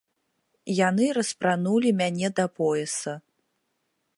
Яны распранулі мяне да пояса.